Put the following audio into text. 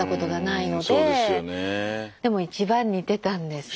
でも一番似てたんですね。